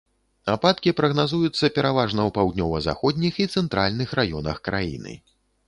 Ападкі прагназуюцца пераважна ў паўднёва-заходніх і цэнтральных раёнах краіны.